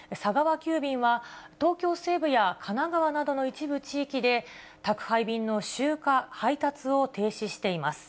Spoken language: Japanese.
急便は東京西部や神奈川などの一部地域で、宅配便の集荷、配達を停止しています。